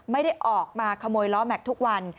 ไม่ได้ออกมาขโมยล้อแม็กซ์ทุกวัน